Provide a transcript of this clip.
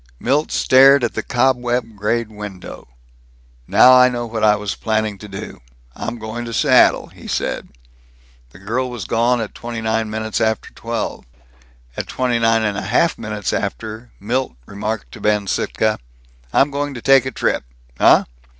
Milt stared at the cobweb grayed window. "Now I know what I was planning to do. I'm going to Seattle," he said. The girl was gone at twenty nine minutes after twelve. At twenty nine and a half minutes after, Milt remarked to Ben Sittka, "I'm going to take a trip. Uh?